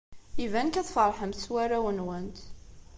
Iban kan tfeṛḥemt s warraw-nwent.